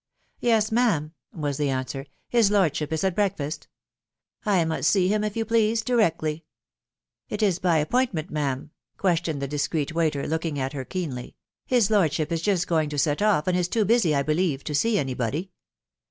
u Yes, ma'am/' was the answer. tc His lordship is eakfast." " I must see him, if you please, directly !"" Is it by appointment, ma'am ?" questioned the discr< waiter, looking at her keenly. ..." His lordship is just goi to set off, and is too busy, I believe, to see anybody."